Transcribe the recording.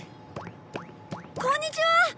こんにちは！